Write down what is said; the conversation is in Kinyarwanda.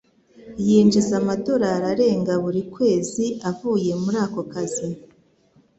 Yinjiza amadorari arenga buri kwezi avuye muri ako kazi.